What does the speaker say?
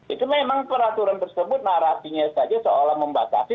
itu memang peraturan tersebut narasinya saja seolah membatasi